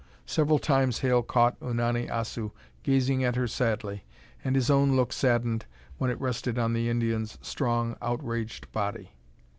Several times Hale caught Unani Assu gazing at her sadly, and his own look saddened when it rested on the Indian's strong, outraged body.